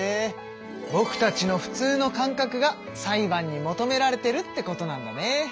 ぼくたちのふつうの感覚が裁判に求められてるってことなんだね。